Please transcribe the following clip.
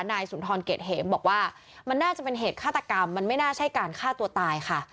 นายสุนทรเกรดเหมบอกว่ามันน่าจะเป็นเหตุฆาตกรรมมันไม่น่าใช่การฆ่าตัวตายค่ะ